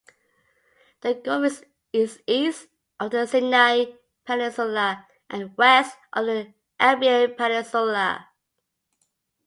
The gulf is east of the Sinai Peninsula and west of the Arabian Peninsula.